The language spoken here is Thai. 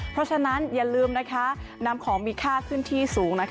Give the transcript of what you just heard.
เพราะฉะนั้นอย่าลืมนำของมีค่าขึ้นที่สูง